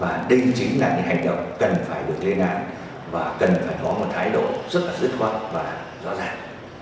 và đây chính là những hành động cần phải được lên án và cần phải có một thái độ rất là dứt khoan và rõ ràng